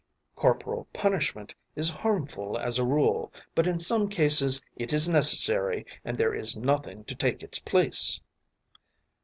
’ ‘Corporal punishment is harmful as a rule, but in some cases it is necessary and there is nothing to take its place.